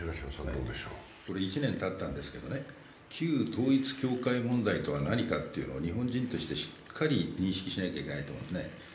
１年たったんですけどね、旧統一教会問題とは何かを日本人としてしっかり認識しなきゃいけないと思うんですね。